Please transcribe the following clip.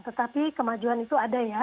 tetapi kemajuan itu ada ya